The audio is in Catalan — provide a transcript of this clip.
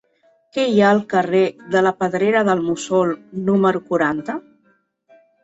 Què hi ha al carrer de la Pedrera del Mussol número quaranta?